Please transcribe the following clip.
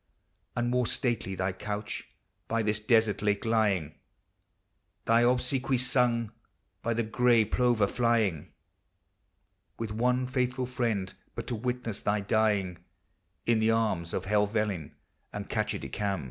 And more stately thy couch by this desert lake lying, Thy obsequies sung by the gray plover flying, With one faithful friend but to witness thy dying, In the arms of Helvellyn and Catchedicam.